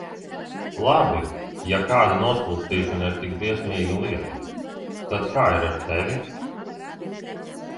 Labi, ja kāda noskūpstīšana ir tik briesmīga lieta, tad kā ir ar tevi?